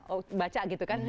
oh baca gitu kan